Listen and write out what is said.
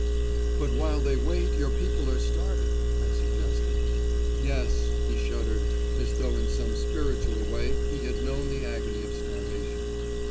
"But while they wait your people are starving," I suggested. "Yes." He shuddered as though in some spiritual way he had known the agony of starvation.